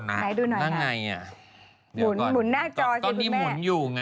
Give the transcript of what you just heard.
ไหนดูหน่อยล่ะตอนนี้หมุนอยู่ไงมันทำไมไม่มากตอนนี้หมุนหน้าจอใช่ไหมแม่